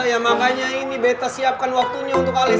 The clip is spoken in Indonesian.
ya makanya ini beta siapkan waktunya untuk alis